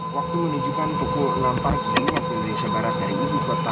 waktu menunjukkan pukul enam pagi ini waktu indonesia barat dari ibu kota jakarta